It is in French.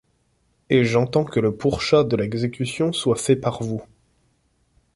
Et j’entends que le pourchas de l’exécution soit fait par vous.